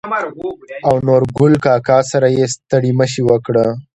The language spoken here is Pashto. او نورګل کاکا سره يې ستړي مشې وکړه.